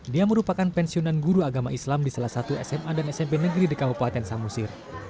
dia merupakan pensiunan guru agama islam di salah satu sma dan smp negeri di kabupaten samosir